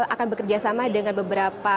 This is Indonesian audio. akan bekerjasama dengan beberapa